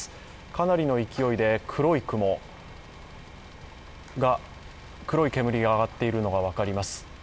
かなりの勢いで黒い煙が上がっているのが分かります。